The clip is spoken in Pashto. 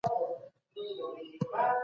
ولي کندهار کي د صنعت لپاره سیالي زیاته ده؟